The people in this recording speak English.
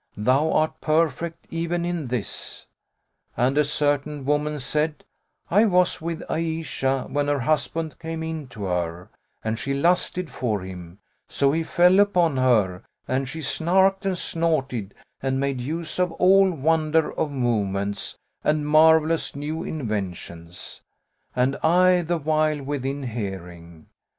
Thou art perfect, even in this." And a certain woman said, "I was with Ayishah, when her husband came in to her, and she lusted for him; so he fell upon her and she snarked and snorted and made use of all wonder of movements and marvellous new inventions, and I the while within hearing.